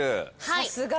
はい。